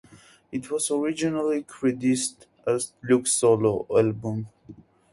It was originally credited as Luke's solo album.